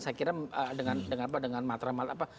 saya kira dengan apa